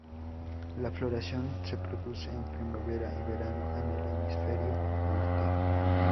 La floración se produce en primavera y verano en el hemisferio norte.